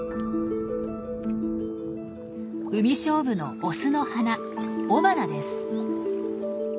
ウミショウブのオスの花雄花です。